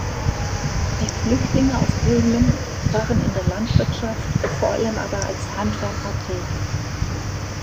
Die Flüchtlinge aus Böhmen waren in der Landwirtschaft, vor allem aber als Handwerker tätig.